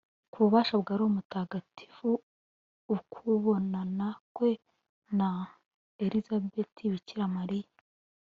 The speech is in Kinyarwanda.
ku bubasha bwa roho mutagatifu, ukubonana kwe na elizabeti, bikira mariya